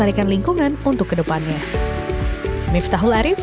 dan mengembalikan lingkungan untuk kedepannya